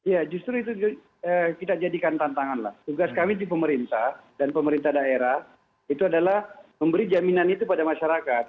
ya justru itu kita jadikan tantangan lah tugas kami di pemerintah dan pemerintah daerah itu adalah memberi jaminan itu pada masyarakat